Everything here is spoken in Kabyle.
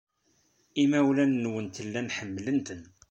Imawlan-nwent llan ḥemmlen-ten.